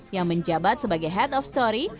yang menjabat sebagai head of story